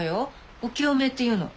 お清めっていうの。